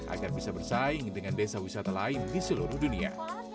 agar bisa bersaing dengan desa wisata lain di seluruh dunia